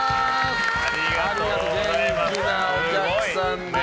元気なお客さんで。